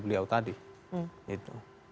beliau tadi itu